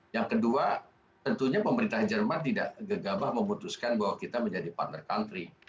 yang kedua tentunya pemerintah jerman tidak gegabah memutuskan bahwa kita menjadi partner country